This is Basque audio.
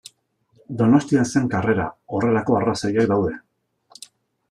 Donostian zen karrera, horrelako arrazoiak daude.